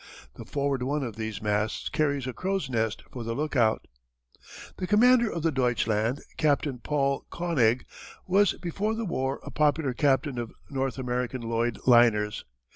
The forward one of these masts carries a crow's nest for the lookout. The commander of the Deutschland, Captain Paul König, was before the war a popular captain of North German Lloyd liners.